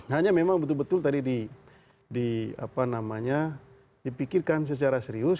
hanya memang betul betul tadi dipikirkan secara serius